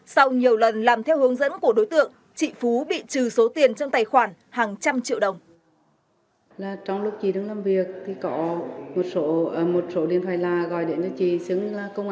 sau nhiều lần làm theo hướng dẫn của đối tượng chị phú bị trừ số tiền trong tài khoản hàng trăm triệu đồng